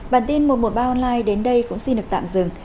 bản tin một trăm một mươi ba online đến đây cũng xin được tạm dừng